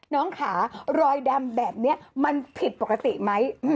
น้องขารอยดำแบบนี้มันผิดปกติไหม